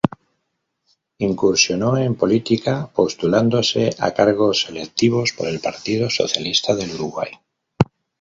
Incursionó en política, postulándose a cargos electivos por el Partido Socialista del Uruguay.